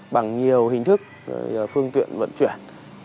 bằng nhiều hình thức phương tiện vận chuyển